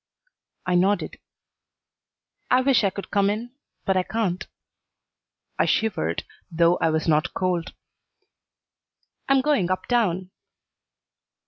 I nodded. "I wish I could come in, but I can't." I shivered, though I was not cold. "I am going up town."